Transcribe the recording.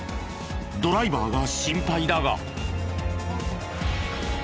ドライバーが心配だが。